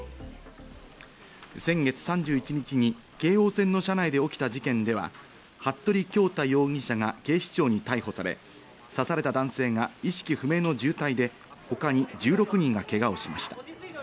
先月３１日に京王線の車内で起きた事件では、服部恭太容疑者が警視庁に逮捕され、刺された男性が意識不明の重体で他に１６人がけがをしました。